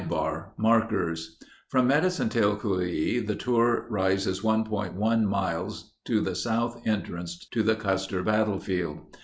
© Markers From Medicine Tail Coulee the tour road rises 1.1 miles to the south entrance to the Custer Battlefield.